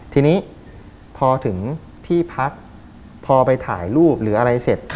ทีนี้พอถึงที่พักพอไปถ่ายรูปหรืออะไรเสร็จ